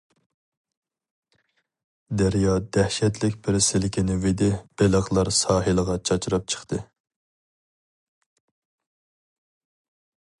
دەريا دەھشەتلىك بىر سىلكىنىۋىدى بېلىقلار ساھىلغا چاچراپ چىقتى.